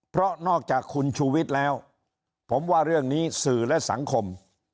เพราะนอกจากคุณชูวิทย์แล้วผมว่าเรื่องนี้สื่อและสังคม